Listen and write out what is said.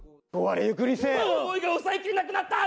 思いが抑えきれなくなった。